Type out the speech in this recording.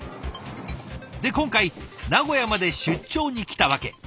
で今回名古屋まで出張に来た訳。